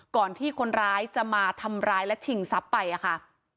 ก่อนที่คนร้ายจะมาทำร้ายและชิงทรัพย์ไปค่ะ